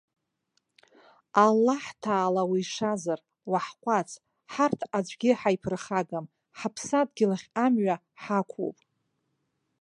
Аллаҳҭаала уишазар, уаҳҟәаҵ, ҳарҭ аӡәгьы ҳаиԥырхагам, ҳаԥсадгьыл ахь амҩа ҳақәуп!